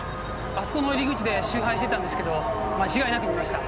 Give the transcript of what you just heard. あそこの入り口で集配してたんですけど間違いなく見ました。